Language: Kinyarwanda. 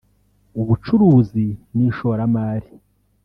ubucurizi n’ishoramari